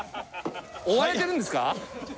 追われてるんですか？